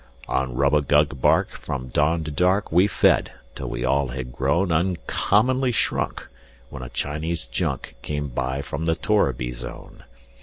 On rubagub bark, from dawn to dark, We fed, till we all had grown Uncommonly shrunk, when a Chinese junk Came by from the torriby zone.